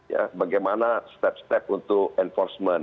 ya bagaimana step step untuk enforcement